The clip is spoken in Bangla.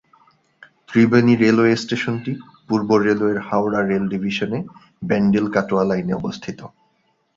ত্রিবেণী রেলওয়ে স্টেশনটি পূর্ব রেলওয়ের হাওড়া রেল ডিভিশনে ব্যান্ডেল-কাটোয়া লাইনে অবস্থিত।